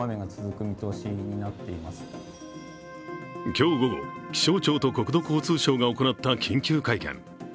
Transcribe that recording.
今日午後、気象庁と国土交通省が行った緊急会見。